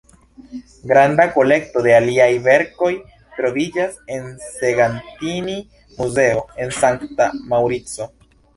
Granda kolekto de liaj verkoj troviĝas en Segantini-muzeo en Sankta Maŭrico.